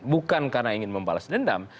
bukan karena ingin membalas dendam